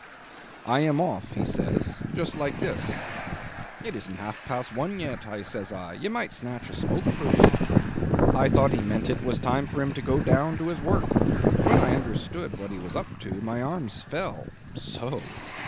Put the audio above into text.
'I am off,' he says just like this. 'It isn't half past one yet,' says I; 'you might snatch a smoke first.' I thought he meant it was time for him to go down to his work. When I understood what he was up to, my arms fell so!